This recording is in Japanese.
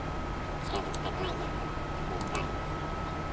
近づきたくないような雰囲気はありましたけどね。